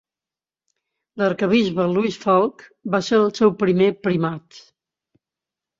L"arquebisbe Louis Falk va ser el seu primer primat.